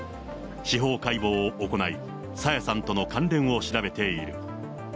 司法解剖を行い、朝芽さんとの関連を調べている。